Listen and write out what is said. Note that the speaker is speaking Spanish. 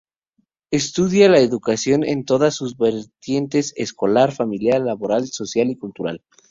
Estudia la educación en todas sus vertientes: escolar, familiar, laboral, social y cultural.